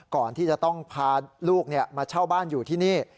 ก่อนที่จะต้องพาลูกมาเช่าบ้านอยู่ที่นี่